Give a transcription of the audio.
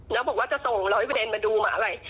แลอบอกว่าจะส่ง๑๐๐เงินไปดูหมาอะไร